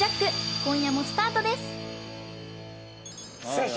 今夜もスタートです！